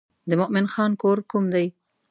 د مومن خان کور کوم دی.